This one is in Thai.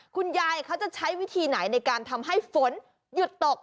คุณยายเขาจะใช้วิธีไหนในการทำให้ฝนหยุดตก